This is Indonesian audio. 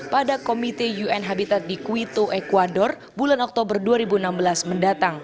pada komite un habitat di quito ecuador bulan oktober dua ribu enam belas mendatang